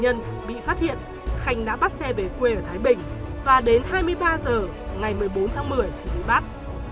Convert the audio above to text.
nạn nhân bị phát hiện khanh đã bắt xe về quê ở thái bình và đến hai mươi ba h ngày một mươi bốn tháng một mươi thì bị bắt